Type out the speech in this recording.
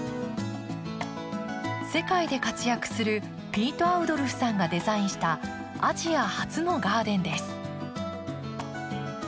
世界で活躍するピート・アウドルフさんがデザインしたアジア初のガーデンです。